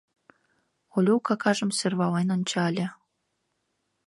— Олюк акажым сӧрвален ончале.